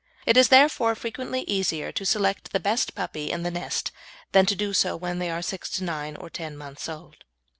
It is, therefore, frequently easier to select the best puppy in the nest than to do so when they are from six to nine or ten months old.